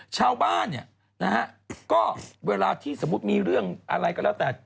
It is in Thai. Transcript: ชาวบ้านเนี่ยนะฮะก็เวลาที่สมมุติมีเรื่องอะไรก็แล้วแต่